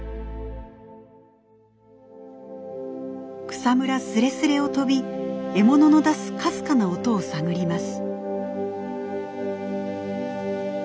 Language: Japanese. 草むらすれすれを飛び獲物の出すかすかな音を探ります。